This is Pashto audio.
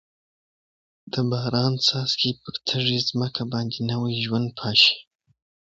د باران څاڅکي پر تږې ځمکه باندې نوي ژوند پاشي.